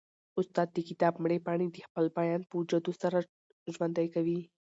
استاد د کتاب مړې پاڼې د خپل بیان په جادو سره ژوندۍ کوي.